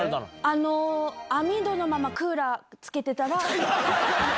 あの、網戸のままクーラーつけてたら。